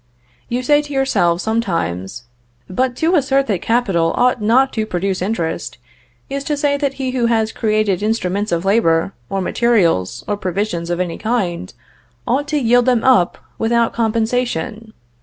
You say to yourselves sometimes, "But to assert that capital ought not to produce interest, is to say that he who has created instruments of labor, or materials, or provisions of any kind, ought to yield them up without compensation.